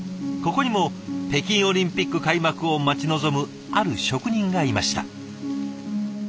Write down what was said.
ここにも北京オリンピック開幕を待ち望むある職人がいました。